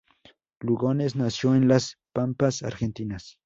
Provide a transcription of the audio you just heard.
Lugones nació en las pampas Argentinas.